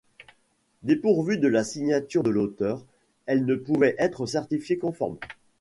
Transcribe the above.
Dépourvue de la signature de l'auteur, elle ne pouvait être certifiée conforme.